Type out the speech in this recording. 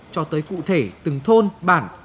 cho tới cụ thể từng thôn bản